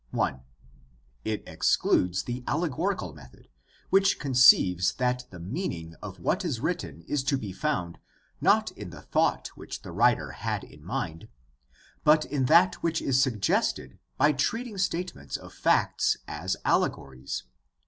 (i) It excludes the allegorical method, which conceives that the meaning of what is written is to be found, not in the thought which the writer had in mind, but in that which is suggested by treating statements of facts as allegories.